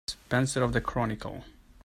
Spencer of the Chronicle.